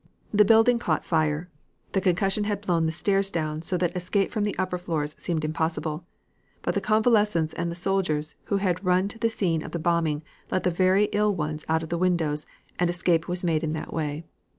"The building caught fire. The concussion had blown the stairs down, so that escape from the upper floors seemed impossible. But the convalescents and the soldiers, who had run to the scene of the bombing, let the very ill ones out of the windows, and escape was made in that way.